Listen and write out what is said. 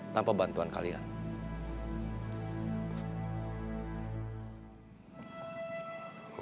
tanpa bantuan kalian